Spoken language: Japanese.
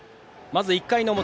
まず１回の表。